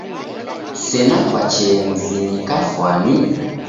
Sena kwachee mzinyi kafwani?